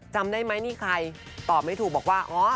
จำได้ไหมนี่ใครตอบไม่ถูกบอกว่า